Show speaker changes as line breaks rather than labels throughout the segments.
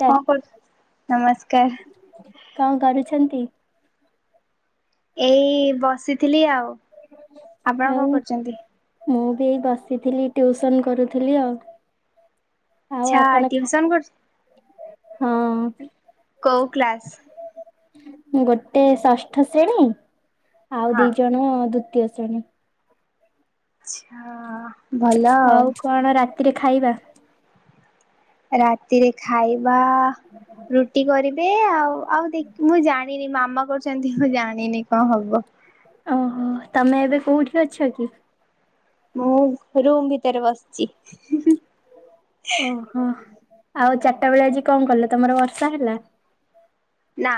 Sir
କଁ କରୁଚୁ ନମସ୍କାର।
କଣ କରୁଛନ୍ତି?
ଏଇ ବସିଥିଲି ଆଉ। ଆପଣ କଣ
ଆଉ
କରୁଛନ୍ତି?
ମୁଁବି ଏଇ ବସିଥିଲି ଟ୍ୟୁସନ କରୁଥିଲି ଆଉ। ଆଉ
ଆଚ୍ଛା
ଆପଣ ଖା
ଟ୍ୟୁସନ୍ କରଛ
ହଁ
କଉ କ୍ଲାସ୍?
ଗୋଟେ ଷଷ୍ଠ ଶ୍ରେଣୀ ଆଉ
ହଁ।
ଦିଜଣ ଦ୍ଵିତୀୟ ଶ୍ରେଣୀ।
ଆଚ୍ଛା
ଆଉ କଣ ରାତିରେ ଖାଇବା?
ରାତିରେ ଖାଇବା ରୁଟି କରିବେ ଆଉ ଆଉ ଦେଖ୍ ମୁଁ ଜାଣିନି ମାମା କରୁଚନ୍ତି ମୁଁ ଜାଣିନି କଣ ହବ?
ଓହୋ ତମେ ଏବେ କୋଉଠି ଅଛକି?
ମୁଁ ରୁମ୍ ଭିତରେ ବସିଚି ହୁ-ହୁଁ।
ହଁ ଆଉ ଚାରିଟା ବେଳେ ଆଜି କଣ କଲ ତମର ବର୍ଷା ହେଲା?
ନା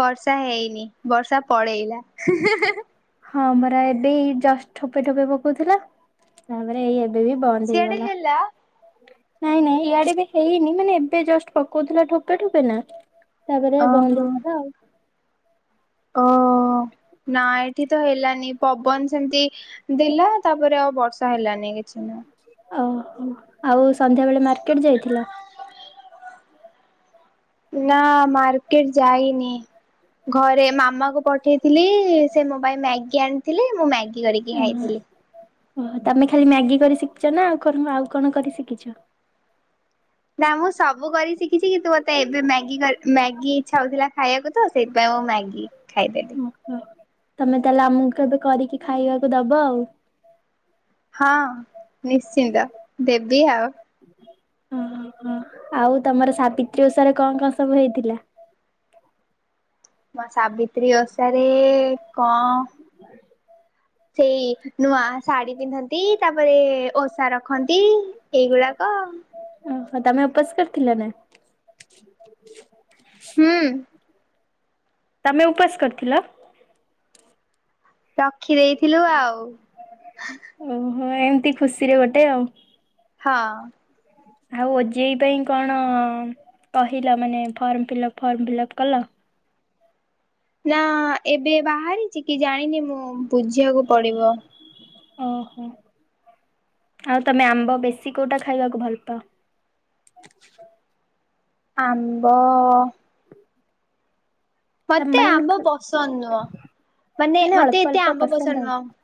ବର୍ଷା ହେଇନି ବର୍ଷା ପଳେଇଲା ହେ-ହେ-ହେ-ହେ।
ହଁ ଆମରା ଏବେ ଏଇ ଜଷ୍ଟ ଠୋପେ ଠୋପେ ପକଉଥିଲା ତାପରେ ଏଇ ଏବ ଏବେ ବନ୍ଦ
ସିଆଡେ
ହେଇଗଲା।
ହେଲା
ନାଇଁ ନାଇଁ ଇଆଡ଼େବି ହେଇନି ମାନେ ଏବେ ଜଷ୍ଟ୍ ପକଉଥିଲା ଠୋପେ ଠୋପେ ନା ତାପରେ ବନ୍ଦ
ଓହୋ
ହେଇଗଲା ଆଉ।
ଓ ନାଏଠିତ ହେଲାନି ପବନ ସେମିତି ଦେଲା ତାପରେ ଆଉ ବର୍ଷା ହେଲାନି କିଛିନା।
ଓହୋ ଆଉ ସନ୍ଧ୍ୟାବେଳେ ମାର୍କେଟ ଯାଇଥିଲ?
ନା ମାର୍କେଟ ଯାଇନି ଘରେ ମା ମାମାକୁ ପଠେଇଥିଲି ସେ ମୋପାଇଁ ମ୍ୟାଗି ଆଣିଥିଲେ ମୁଁ ମ୍ୟାଗି କରିକି
ଓହୋ
ଖାଇଥିଲି।
ଓହୋ ତମେ ଖାଲି ମ୍ୟାଗି କରି ଶିଖିଛନା ଆଉ କଣ ଆଉ କଣ କରି ଶିଖିଛ?
ନା ମୁସବୁ କରି ଶିଖିଚି କିନ୍ତୁ ମତେ ଏବେ ମ୍ୟାଗି କରି ମ୍ୟାଗି ଇଛା ହଉଥିଲା ଖାଇବାକୁତ ସେଇଥିପାଇଁ ମୁଁ ମ୍ୟାଗି ଖାଇଦେ।
ଓହୋ ତମେ ତାହେଲେ ଆମକୁ କେବେ କରିକି ଖାଇବାକୁ ଦବ ଆଉ।
ହଁ ନିଶ୍ଚିନ୍ତ ଦେବି ଆଉ।
ଓହୋ ଆଉ ତମର ସାବିତ୍ରୀ ଓଷାରେ କଅଁ କଅଁ ସବୁ ହେଇଥିଲା?
ମୋ ସାବିତ୍ରୀ ଓଷାରେ ଏ-ଏ ଙ୍କ ସେଇ ନୂଆ ଶାଢୀ ପିନ୍ଧନ୍ତି ତାପରେ ଓଷା ରଖନ୍ତି। ଏଇଗୁଡାକ
ଓହୋ ତମେ ଓପାସ କରିଥିଲ ନା?
ହୁଁ।
ତମେ ଉପାସ କରିଥିଲ?
ରଖି ଦେଇଥିଲୁ ଆଉ ହା-ହା।
ଓହୋ ଏମତି ଖୁସିରେ ଗୋଟେ ଆଉ
ହଁ।
ଆଉ ଓଜେଇ ପାଇଁ କଣ କହିଲ ମାନେ ଫର୍ମ ଫିଲପ୍ ଫର୍ମ ଫିଲପ୍ କଲ?
ନା ଏବେ ବାହାରିଚି କି ଜାଣିନି ମୁଁ ବୁଝିବାକୁ ପଡିବ?
ଓହୋ ଆଉ ତମେ ଆମ୍ବ ବେଶୀ କୋଉଟା ଖାଇବାକୁ ଭଲ ପାଅ?
ଆମ୍ବ ଅ-ଅ ମତେ ଆମ୍ବ
ତମମାନଙ୍କୁ
ପସନ୍ଦ ନୁହଁ ମାନେ ମତେ
ଅଳ୍ପ
ଏତେ
ଅଳ୍ପ
ଆମ୍ବ ପସନ୍ଦ
ଆଉ
ନୁହଁ।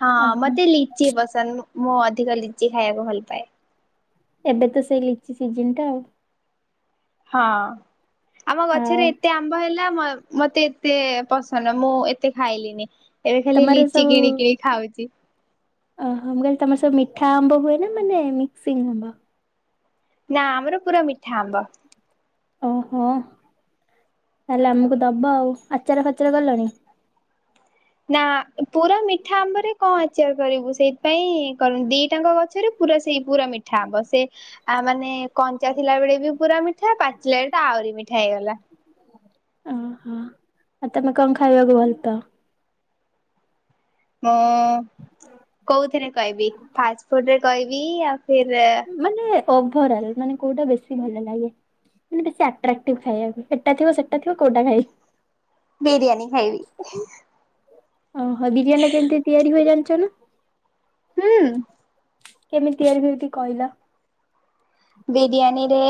ହଁ
ଓହୋ
ମତେ ଲିଚି ପସନ୍ଦ ମ୍ ମୁଁ ଅଧିକ ଲିଚି ଖାଇବାକୁ ଭଲ ପାଏ।
ଏବେ ତ ସେଇ ଲିଚି ସିଜିନ ଟା ଆଉ।
ହଁ ଆମ
ଆଉ
ଗଛରେ ଏତେ ଆମ୍ବ ହେଲା ମ ମତେ ଏତେ ପସନ୍ଦ ନୁହଁ ମୁଁ ଏତ କେତେ ଖାଇଲିନି ଏବେ ଖାଲି
ତମର
ଲିଚି
ସବୁ
କିଣି କିଣ ଖାଉଚି।।
ଓହୋ ମୁଁ କଇଲି ତମର ସବୁ ମିଠା ଆମ୍ବ ହୁଏ ନା ମାନେ ମିକ୍ସିଂ ଆମ୍ବ?
ନା ଆମର ପୁରା ମିଠା ଆମ୍ବ।
ଓହୋ ତାହେଲେ ଆମକୁ ଦବ ଆଉ ଆଚାର ଫାଚାର କଲଣି?
ନା ପୁରା ମିଠା ଆମ୍ବରେ କଅଁ ଆଚାର କରିବୁ ସେଇଥିପାଇଁ କରୁନୁ ଦିଟାଙ୍କ ଗଛରେ ପୁରା ସେଇ ପୁରା ମିଠା ଆମ୍ବ ସେ ଆ ମାନେ କଞ୍ଚା ଥିଲା ବେଳେ ବି ପୁରା ମିଠା ପାଚିଲା ବଳେ ତା ଆହୁରି ମିଠା ହେଇଗଲା।
ଓହୋ ଆଉ ତମେ କଅଁ ଖାଇବାକୁ ଭଲ ପାଅ?
ମୁଁ କୋଉଥିରେ କଇବି ଫାଷ୍ଟଫୁଡ ରେ କଇବି ଆଉ ଫିର୍
ମାନେ ଓଭରାଲ ମାନେ କୋଉଟା ବେଶୀ ଭଲ ଲାଗେ? ମାନେ ବେଶୀ ଆଟ୍ରାକ୍ଟିଭ ଖାଇବାକୁ ଏଟା ଥିବ ସେଟା ଥିବ କୋଉଟା ଖାଇବି।
ବିରିୟାନି ଖାଇବି ହିଁ।
ଓହୋ ବିରିୟାନୀ ରା କେମିତି ତିଆରି ହୁଏ ଜାଣିଚ ନି?
ହୁଁ।
କେମିତି ତିଆରି ହୁଏ ଟିକେ କହିଲ?
ବିରିୟାନୀ ରେ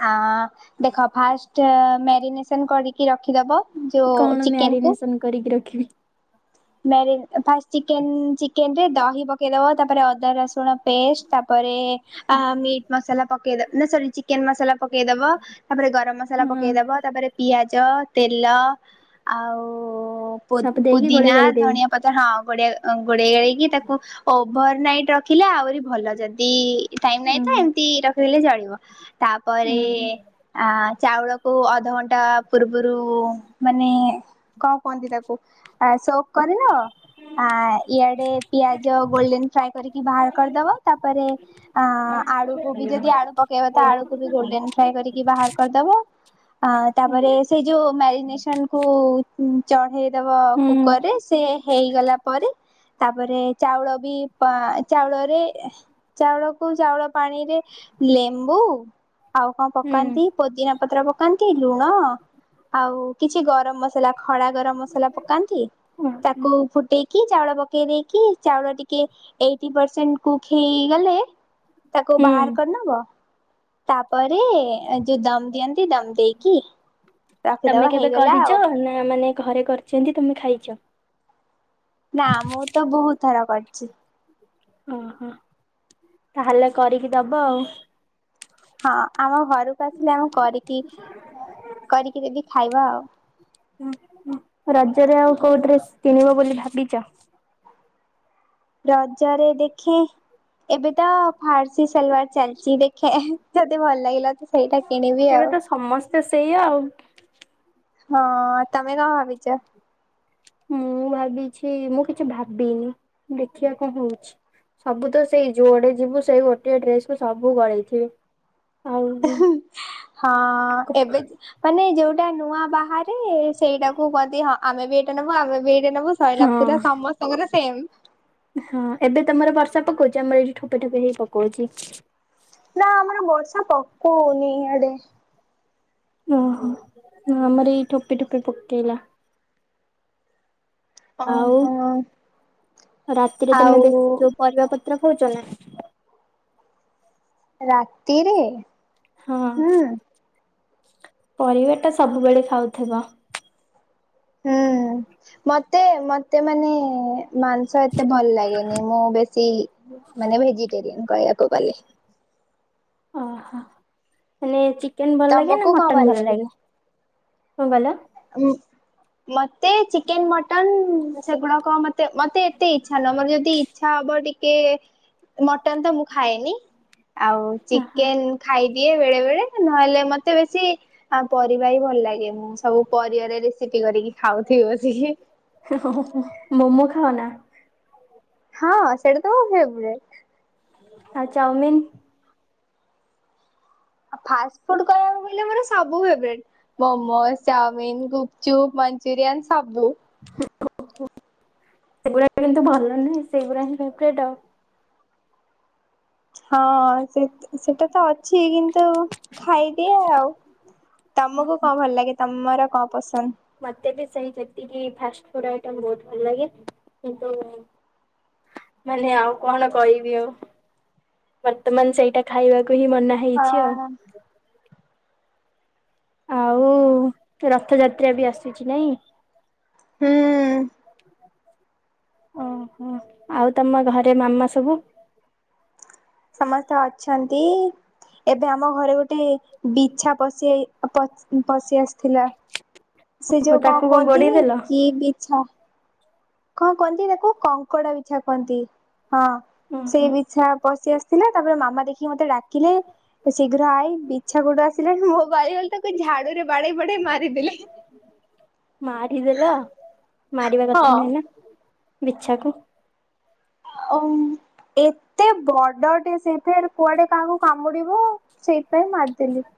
ହାଆଁ ଦେଖ ଫାଷ୍ଟ ମ୍ୟାରିନେସନ କରିକି ରଖିଦବ। ଯୋଉ
କଣ
ଚିକେନ୍ କୁ।
ମ୍ୟାରିନେସନ କରିକି ରଖିବି।
ମାରିନ୍ ଫାସ ଚିକେନ୍ ଚିକେନ୍ ରେ ଦହି ପକେଇଦବ ତାପରେ ଅଦା, ରସୁଣ ପେଷ୍ଟ ତାପରେ ଆହା ମିଟ୍ ମସଲା ପକେଦ ନା ସରି ଚି ଚିକେନ ମସଲା ପକେଇଦବ ତାପରେ ଗରମ ମସଲା
ହଁ
ପକେଇଦବ ତାପରେ ପିଆଜ ତେଲ ଆଉ ପୋ
ସବୁ ଦେଇକି ଗୋଳେଇ
ପୋଦିନା
ଗାଳେଇ ଦେବି।
ପତର ହଁ ଗୋଡେଇ ଗୋଳେଇ ଗାଳିକି ତାକୁ ଓଭର ନାଇଟ୍ ରଖିଲେ ଆହୁରି ଭଲ ଯଦି ଟାଇମ୍ ନାହିଁ ତ
ହୁଁ
ଏମତି ରଖିଦେଲେ ଚଳିବ ତାପରେ ଆ ଚାଉଳକୁ ଅଧଘଣ୍ଟା ପୂର୍ବରୁ ମାନେ କଣ କୁହନ୍ତି ତାକୁ? ଆ ସୋପ୍ କରିନ? ଆ, ଇଆଡେ ପିଆଜ ଗୋଲଡେନ୍ ଫ୍ରାଏ କରିକି ବାହାର କରିଦବ। ତାପରେ ଆ, ଆଳୁକୁ ବି ଯଦି ଆଳୁ ପକେଇବ ତ ଆଳୁକୁ ବି ଗୋଲଡେନ୍ ଫ୍ରାଏ କରିକି ବାହାର କରିଦବ। ଆ, ତାପରେ ସେଇ ଯୋଉ ମ୍ୟାରିନେସନ୍ କୁ ଉଁ, ଚଢେଇଦବ କୁକର୍ ରେ। ସେ ହେଇଗଲା ପରେ ତାପରେ ଚାଉଳ ବି ପା ଚାଉଳରେ ଏ, ଚାଉଳକୁ ଚାଉଳ ପାଣିରେ ଲେମ୍ବୁ ଆଉ କଣ ପକାନ୍ତି ପୋଦିନା ପତ୍ର ପକାନ୍ତି, ଲୁଣ ଆଉ କିଛି ଗରମ ମସ ସଲା ଖଡ଼ା ଗରମ ମସଲା ପକାନ୍ତି। ତାକୁ ଫୁଟେଇକି ଚାଉଳ ପକେଇ ଦେଇକି ଚାଉଳ ଟିକେ ଏଇଟି ପରସେଣ୍ଟ କୁକ୍ ହେଇଗଲେ ତାକୁ ବାହାର କରିନବ। ତାପରେ ଏ ଯୋଉ ଦମ୍ ଦିଅନ୍ତି, ଦମ୍ ଦେଇକି
ତୋମେ
ରଖିଦବା
କେବେ
ହେଇଗଲା ଆଉ।
କରିଚ ନା ମାନେ ଘରେ କରିଛନ୍ତି ତୋମେ ଖାଇଛ?
ନା ମୁଁ ତ ବହୁତ ଥର କରିଛି।
ଓହୋ, ତାହେଲେ କରିକି ଦବ।
ହଁ ଆମ ଘରୁକୁ ଆସିଲେ, ଆମ କରିକି କରିକି ଦେବି ଖାଇବ ଆଉ।
ରଜରେ ଆଉ କୋଉ ଡ୍ରେସ୍ କିଣିବ ବୋଲି ଭାବିଚ?
ରଜରେ ଦେଖେଁ। ଏବେ ତ ଫାର୍ସି ସଲୱାର ଚାଲିଚି ଦେଖେ ଏହେ ଯଦି ଭଲ ଲାଗିଲା ତ ସେଇଟା କିଣିବି
ଏବେ
ଆଉ।
ତ ସମସ୍ତେ ସେଇଆ ଆଉ।
ହଁ, ତୋମେ କଣ ଭାବିଚ?
ମୁଁ ଭାବିଛି, ମୁଁ କିଛି ଭାବିନି, ଦେଖିଆ କଣ ହଉଛି। ସବୁ ତ ସେଇ ଯୁଆଡ଼େ ଯିବୁ ସେଇ ଗୋଟିଏ ଡ୍ରେସ୍ କୁୁ ସବୁ ଗଳେଇଥିବେ। ଆଉ ହଁ
ହଁ ଏବେ [unintelligible] ମାନେ ଯୋଉଟା ନୂଆ ବାହାରେ ସେଇଟାକୁ କହନ୍ତି ହଁ ଆମେ ବି ଏଇଟା ନବୁ, ଆମେ ବି ଏଇଟା ନବୁ ସଇଲା ପୁରା ସମସ୍ତଙ୍କର ସେମ୍।
ହଁ, ଏବେ ତୋମର ବର୍ଷା ପକଉଚୁ? ଆମର ଏଇଠି ଠୋପେ ଠୋପେ ହେଇ ପକଉଛି।
ନା ଆମର ବର୍ଷା ପକଉନି ଇଆଡ଼େ।
ଓହୋ, ନା ଆମର ଏଇ ଠୋପେ ଠୋପେ ପକେଇଲା। ଆଉ
ଓହୋ
ରାତିରେ ତୋମେ ବେଶୀ
ଆଉ
ଯୋଉ ପରିବା ପତ୍ର ଖାଉଛ ନା?
ରାତିରେ?
ହଁ।
ହୁଁ
ପରିବାଟା ସବୁବେଳେ ଖାଉଥିବ।
ହୁଁ, ମୋତେ ମୋତେ ମାନେ ମାଂସ ଏତେ ଭଲ ଲାଗେନି। ମୁଁ ବେଶୀ ମାନେ ଭେଜିଟେରିୟେନ୍ କହିଆକୁ ଗଲେ।
ଓହୋ, ମାନେ ଚିକେନ୍ ଭଲ ଲାଗେ ନା ମଟନ୍ ଭଲ ଲାଗେ? କଣ କହିଲ?
ଆ, ମୁଁ ମୋ ତେ ଚିକେନ୍ ମଟନ୍ ସେଗୁଡ଼ାକ ମୋତେ ମୋତେ ଏତେ ଇଚ୍ଛା ନୁହଁ। ମୋର ଯଦି ଇଚ୍ଛା ହବ ଟି କେ ମଟନ୍ ତ ମୁଁ ଖାଏନି। ଆଉ ଚିକେନ୍ ଖାଇଦିଏ ବେଳେବେଳେ। ନହେଲେ ମୋତେ ବେଶୀ ଆ, ପରିବା ହି ଭଲ ଲାଗେ, ମୁଁ ସବୁ ପରିବାରେ ରେସିପି କରିକି ଖାଉଥିବି ବସିକି।
ମୋମୋ ଖାଅନା?
ହଁ ସେଟା ତ ମୋ ଫେବରେଟ୍।
ଆଉ ଚାଉମିିନ୍?
ଅ, ଫାଷ୍ଟଫୁଡ୍ କହିବାକୁ ଗଲେ ମୋର ସବୁ ଫେବରେଟ୍। ମୋମୋ, ଚାଉମିିନ୍, ଗୁପଚୁପ୍, ମଞ୍ଚୁରିୟାନ୍ ସବୁ।
[inaudible] ସେଗୁଡା କିନ୍ତୁ ଭଲ ନୁହେଁ, ସେଇଗୁରା ହିଁ ଫେବରେଟ୍।
ହଁ ସେ ସେଟା ତ ଅଛି କିନ୍ତୁ ଖାଇଦିଏ ଆଉ। ତୋମକୁ କଣ ଭଲ ଲାଗେ, ତୋମର କଣ ପସନ୍ଦ?
ମୋତେ ବି ସେଇ ଯେତିକି ଫାଷ୍ଟଫୁଡ୍ ଆଇଟମ ବହୁତ ଭଲ ଲାଗେ। କିନ୍ତୁ ମାନେ ଆଉ କଣ କହିବି ଆଉ ବର୍ତ୍ତମାନ ସେଇଟା ଖାଇବାକୁ ହିଁ ମନା ହେଇଛି ଆଉ
ହଁ।
ଆଉ ରଥଯାତ୍ରା ବି ଆସୁଛି ନାଇଁ।
ହୁଁ।
ଓ ହୋ ଆଉ ତମ ଘରେ ମାମା ସବୁ
ସମସ୍ତେ ଅଛନ୍ତି। ଏବେ ଆମ ଘରେ ଗୋଟେ ବିଛା ପଶି ପଶ୍ ପଶି ଆସିଥିଲା। ସେ
ଓହୋ
ଯୋଉ କଁ
ତାକୁ କଣ ଗୋଡେଇ
କୁହନ୍ତିନି
ଦେଲ?
କି ବିଛା। କଁ କୁହନ୍ତି ତାକୁ କଙ୍କଡା ବିଛା କହନ୍ତି ହଁ
ଓହୋ
ସେଇ ବିଛା ପଶି ଆସି ଥିଲା, ତାପରେ ମାମା ଦେଖିକି ମତେ ଡାକିଲେ ଶୀଘ୍ର ଆଇ ବିଛ ବିଛା କୋଉଠୁ ଆସିଲାଣି ମୋ ଭାଇ ଗଲେ ତାକୁ ଝାଡୁରେ ବାଡେଇ ବାଡେଇ ମାରିଦେଲେ।
ମାରିଦେଲ, ମାରିବା
ହଁ।
କଥା ନୁହେଁ ନା ବିଛାକୁ।
ଆଉ ଏତେ ବଡ ଟେ ସେଇ କୁଆଡେ କାହାକୁ କାମୁଡିବ ସେଇଥିପାଇଁ ମାରିଦେଲି।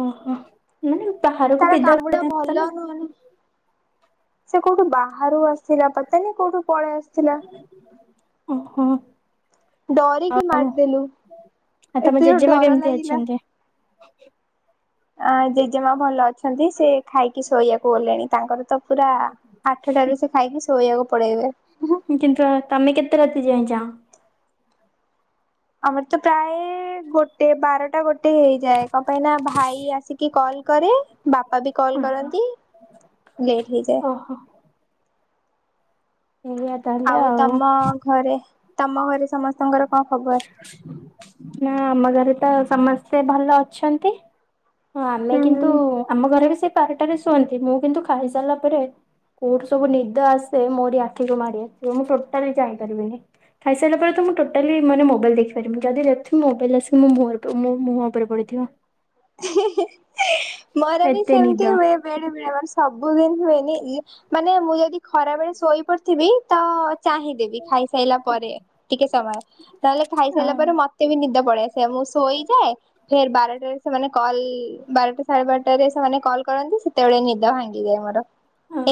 ଓହୋ। ହୁଁ ତାହାର
ତାର କାମୁଡା ଭଲ ନୁହଁନ ସେ କୋଉଠୁ ବାହାରୁ ଆସିଲା ପତାନି କୋଉଠୁ ପଳେଇ ଆସି ଥିଲା।
ଓହୋ।
ଡରିକି
ଆଉ
ମାରିଦେଲୁ,
ଆଉ ତମ
ଏତେ ଜୋର୍
ଜେଜେମା
ଡର
କେମିତି
ଲାଗିଲା।
ଅଛନ୍ତି?
ଆଁ ଜେଜେମା ଭଲ ଅଛନ୍ତି ସେ ଖାଇକି ଶୋଇବାକୁ ଗଲେଣି ତାଙ୍କର ତ ପୁରା ଆଠଟାରେ ସେ ଖାଇକି ଶୋଇଆକୁ ପଳେଇବେ।
କିନ୍ତୁ ତମେ କେତେ ରାତି ଯାଏ ଚାଁଅ।
ଆମର ତ ପ୍ରାୟେ ଗୋଟେ ବାରଟା ଗୋ ଗୋଟେ ହେଇଯାଏ, କଣ ପାଇଁ ନା ଭାଇ ଆସିକି କଲ କରେ ବାପା ବି କଲ କରନ୍ତି। ଲେଟ ହେଇଯାଏ।
ଓହୋ [unintelligible]
ଆଉ ତମ ଘରେ ତମ ଘରେ ସମସ୍ତଙ୍କର କଁ ଖବର?
ନା ଆମ ଘରେ ତ ସମସ୍ତେ ଭଲ ଅଛନ୍ତି। ହଁ ଆମେ
ହୁଁ
କିନ୍ତୁ
ହୁଁ।
ଆମ ଘରେ ବି ସେଇ ବାରଟାରେ ଶୁଅନ୍ତି, ମୁଁ କିନ୍ତୁ ଖାଇ ସାରିଲା ପରେ କୋଉଠୁ ସବୁ ନିଦ ଆସେ ମୋରି ଆଖିକୁ ମାଡି ଆସିବ, ମୁଁ ଟୋଟାଲି ଚାହିଁ ପାରିବିନି। ଖାଇସାରିଲା ପରେ ତ ମୁଁ ଟୋଟାଲି ମାନେ ମୋବାଇଲ ଦେଖିପାରିବିନି, ଯଦି ଦେଖି ମୋବାଇଲ ଆସି ମୋ ମୁହଁ ଉପ ମୋ ମୁହଁ ଉପରେ ପଡି [unintelligible]
ମୋର ବି
ଏତେ ନିଦ।
ସେମିତି ହୁଏ। ବେଳେ ବେଳେ ମାନେ ସବୁଦିନ ହୁଏନି, ମାନେ ମୁଁ ଯଦି ଖରା ବେଳେ ଶୋଇ ପଡିଥିବି ତ ଚାହିଁଦେବି ଖାଇସାଇଲା ପରେ। ଟିକେ ସମୟ ନଲେ ଖାଇସାଇଲା ପରେ ମତେ ବି ନିଦ ପଳେଇ ଆସିବ ମୁଁ ଶୋଇଯାଏ ଫେର ବାରଟାରେ ସେମାନେ କଲ ବାରଟା ସାଢେ ବାରଟାରେ ସେମାନେ କଲ କରନ୍ତି ସେତେବେଳେ ନିଦ ଭାଙ୍ଗିଯାଏ ମୋର।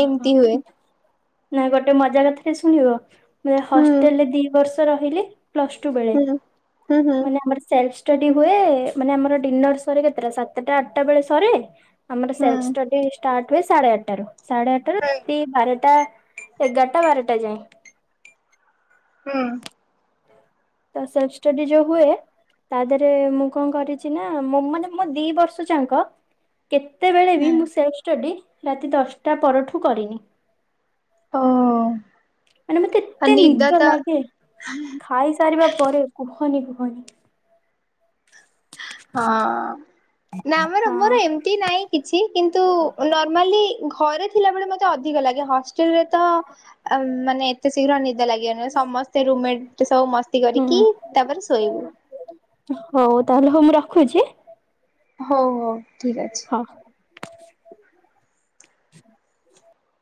ଏମତି ହୁଏ।
ନାଇ ଗୋଟେ ମଜା କଥାଟେ ଶୁଣିବ ମୁ
ହୁଁ
ହଷ୍ଟେଲରେ ଦି ବର୍ଷ ରହିଲି ପ୍ଲସଟୁ ବେଳେ,
ହୁଁ ହୁଁ ହୁଁ
ମାନେ ଆମର ସେଲଫ ଷ୍ଟଡି ହୁଏ ମାନେ ଆମର ଡିନର ସରେ କେତେଟା ସାତଟା ଆଠଟା ବେଳେ ସରେ, ଆମର ସେଲଫ
ହୁଁ।
ଷ୍ଟଡି ଷ୍ଟାର୍ଟ ହୁଏ ସାଢେ ଆଟଟାରୁ, ସାଢେ ଆଟଟାରୁ
ହୁଁ
ତି ବାରଟା ଏଗାରଟା ବାରଟା ଯାଏଁ।
ହୁଁ।
ତ ସେଲଫ ଷ୍ଟଡି ଯୋଉ ହୁଏ ତା ଦେରେ ମୁଁ କଣ କରିଛି ନା ମୋ ମାନେ ମୋ ଦି ବର୍ଷ ଯାଙ୍କ କେତେବେଳେ ବି ମୁଁ ସେଲଫ ଷ୍ଟଡି ରାତି ଦଶଟା ପରଠୁ କରିନି।
ଓ
ମାନେ ମୋତେ ଏତେ ନିଦ ଲାଗେ ଖାଇସାରିବା ପରେ କୁହନି କୁହନି।
ହଁ ନା ଆମର
ହଁ
ମୋର ଏମ ତି ନାଇଁ କିଛି କିନ୍ତୁ ନର୍ମାଲି ଘରେ ଥିଲାବେଳେ ମତେ ଅଧିକ ଲାଗେ ହଷ୍ଟେଲରେ ତ ଆ ମାନେ ଏତେ ଶୀଘ୍ର ନିଦ ଲାଗିବ ନୁହଁ ସମସ୍ତେ ରୁମମେଟ୍ ସବୁ ମସ୍ତି
ହୁଁ
କରିକି ତାପରେ ଶୋଇବୁ।
ହଉ ତାହେଲେ ହଉ ମୁଁ ରଖୁଛି।
ହଉ ହଉ ଠିକ୍ ଅଛି।
ହ।